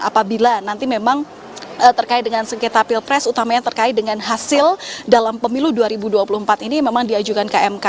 apabila nanti memang terkait dengan sengketa pilpres utamanya terkait dengan hasil dalam pemilu dua ribu dua puluh empat ini memang diajukan ke mk